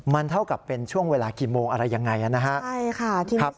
มันเท่ากับเป็นช่วงเวลากี่โมงอะไรยังไงนะฮะใช่ค่ะทีนี้ครับ